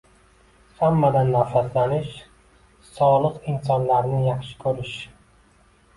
Hammadan nafratlanish – solih insonlarni yaxshi ko‘rish